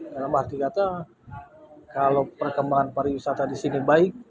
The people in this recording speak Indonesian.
dalam arti kata kalau perkembangan pariwisata di sini baik